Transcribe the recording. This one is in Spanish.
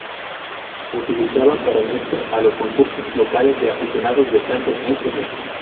Utilizaba para unirse a los concursos locales de aficionados de canto en Cebú.